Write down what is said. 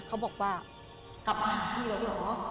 เขาบอกว่ากลับมาหาพี่แล้วเดี๋ยวหรอ